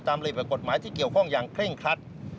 ตามระยะแบบกฎหมายที่เกี่ยวข้องอย่างเคร่งครัด